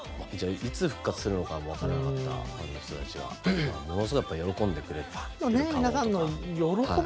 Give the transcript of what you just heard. いつ復活するのかもわからなかったファンの人たちはものすごいやっぱり喜んでくれてる顔とか。